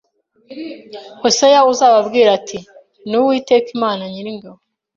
Hoseya azababwira ati: Ni «Uwiteka Imana Nyiringabo